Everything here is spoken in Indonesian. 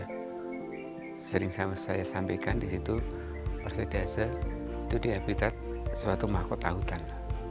karena sering saya sampaikan di situ orsidase itu di habitat suatu mahkota hutan